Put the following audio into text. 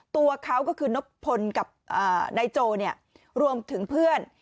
ตัวเขาก็คือนบพลกับนายโจรวมถึงเพื่อน